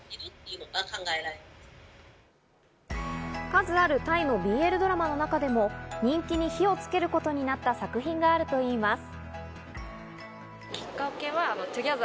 数あるタイのＢＬドラマの中でも、人気に火をつけることになった作品があるといいます。